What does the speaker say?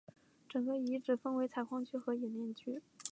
整个遗址分为采矿区和冶炼区。